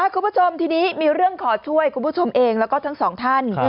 คุณผู้ชมทีนี้มีเรื่องขอช่วยคุณผู้ชมเองแล้วก็ทั้งสองท่าน